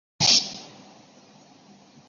他是明成皇后的堂哥。